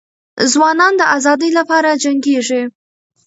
ځوانان د ازادۍ لپاره جنګیږي.